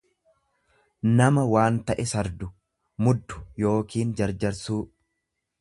nama waan ta'e sardu, muddu yookiin jarjarsuu.